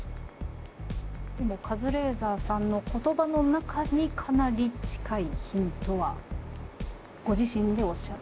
でもカズレーザーさんの言葉の中にかなり近いヒントはご自身でおっしゃってました。